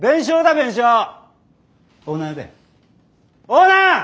オーナー！